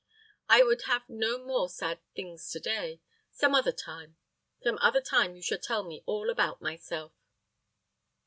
I would have no more sad things to day. Some other time some other time you shall tell me all about myself."